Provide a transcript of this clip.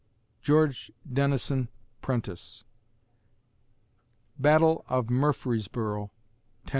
GEORGE DENISON PRENTICE _Battle of Murfreesboro, Tenn.